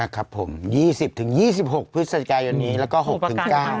ครับผม๒๐๒๖พฤศจิกายนนี้แล้วก็๖๙